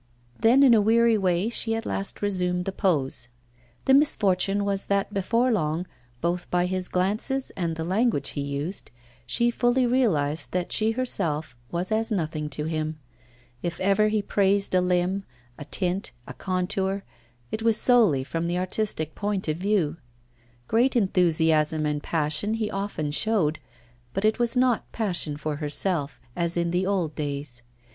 Then, in a weary way, she at last resumed the pose. The misfortune was that before long, both by his glances and the language he used, she fully realised that she herself was as nothing to him. If ever he praised a limb, a tint, a contour, it was solely from the artistic point of view. Great enthusiasm and passion he often showed, but it was not passion for herself as in the old days.